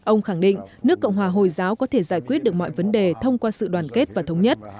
ông khẳng định nước cộng hòa hồi giáo có thể giải quyết được mọi vấn đề thông qua sự đoàn kết và thống nhất